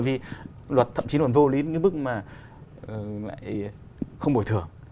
vì luật thậm chí còn vô lý đến cái bức mà không bồi thưởng